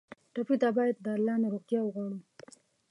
ټپي ته باید له الله نه روغتیا وغواړو.